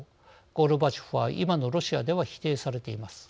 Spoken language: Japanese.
ゴルバチョフは今のロシアでは否定されています。